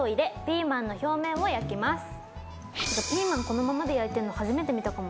ピーマンこのままで焼いてるの初めて見たかも。